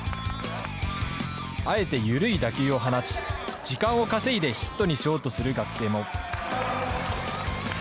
あえて緩い打球を放ち、時間を稼いでヒットにしようとする学生も。